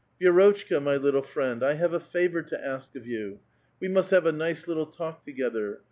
*' Vi6rotchka, my little friend, I have a favor to ask of you. We must have a nice little talk together.